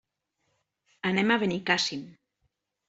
Anem a Benicàssim.